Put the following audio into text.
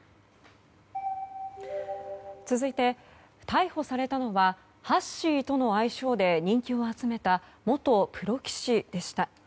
続いて、逮捕されたのはハッシーとの愛称で人気を集めた元プロ棋士でした。